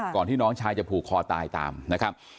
ที่น้องชายจะผูกคอตายตามนะครับ